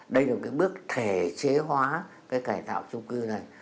đây là một cái bước thể chế hóa cái cải tạo trung cư này